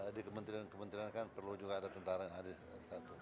di kementerian kementerian kan perlu juga ada tentara yang ada di satu